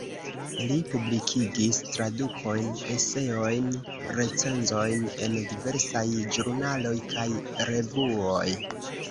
Li publikigis tradukojn, eseojn, recenzojn en diversaj ĵurnaloj kaj revuoj.